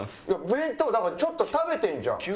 弁当だからちょっと食べてるじゃん！